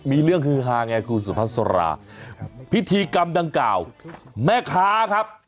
มีเรื่องฮือฮาไงคุณสุภาษาราพิธีกรรมดังกล่าวแม่ค้าครับ